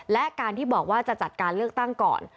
และการที่บอกว่าจะจัดการเลือกตั้งก่อน